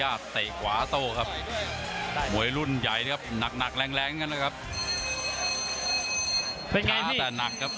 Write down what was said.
รุ่นทั่วนายเนี่ยครับหนักแรงแล้วกันล่ะครับ